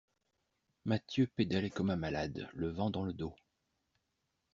Mathieu pédalait comme un malade, le vent dans le dos.